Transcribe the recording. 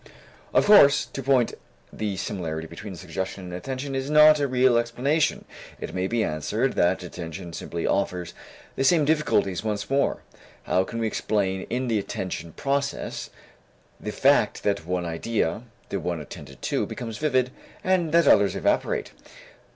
Of course, to point to the similarity between suggestion and attention is not a real explanation. It may be answered that attention simply offers the same difficulties once more. How can we explain in the attention process the fact that one idea, the one attended to, becomes vivid and that others evaporate?